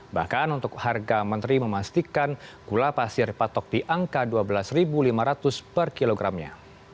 bahkan untuk harga menteri memastikan gula pasir patok di angka rp dua belas lima ratus per kilogramnya